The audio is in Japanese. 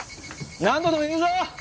何度でも言うぞ！